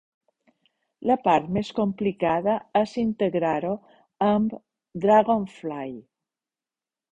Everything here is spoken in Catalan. La part més complicada és integrar-ho amb Dragonfly.